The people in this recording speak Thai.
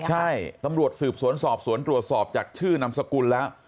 ใช่ตำรวจสืบสวนสอบสวนตรวจสอบจากชื่อนามสกุลแล้ว